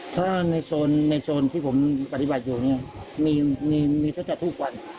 ถ้าในโซนในโซนที่ผมปฏิบัติอยู่เนี่ยมีมีมีเท่าที่จะทุกวัน